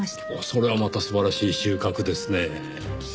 それはまた素晴らしい収穫ですねぇ。